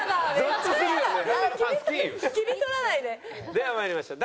ではまいりましょう。